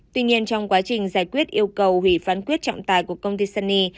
tuy nhiên trong quá trình giải quyết yêu cầu hủy phán quyết trọng tài của công ty sunny